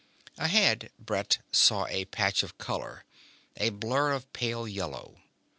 Ahead Brett saw a patch of color: a blur of pale yellow.